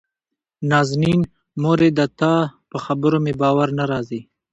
نازنين: مورې دتا په خبرو مې باور نه راځي.